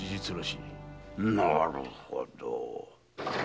なるほど。